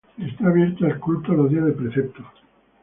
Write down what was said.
Está abierta al culto los días de precepto.